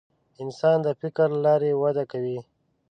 انسان د فکر له لارې وده کوي.